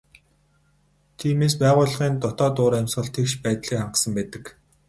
Тиймээс байгууллагын дотоод уур амьсгал тэгш байдлыг хангасан байдаг.